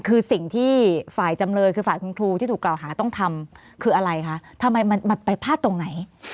คือสิ่งที่ฝ่ายจำเลยคือฝ่ายครูที่ถูกกล่าวค้าต้องทำ